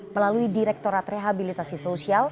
melalui direktorat rehabilitasi sosial